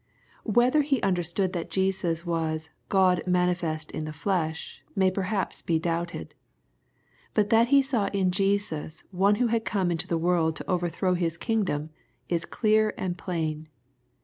Whether he u^iderstpod that Jesus was " God manifest in the flesh'' may perhaps be doubted. But that he saw in Jesus O ne who had come into the world to overthrow his kingdom, is clear and plain.